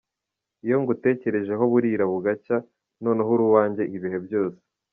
Iyo ngutekerejeho burira bugacya, noneho uri uwanjye ibihe byose, ….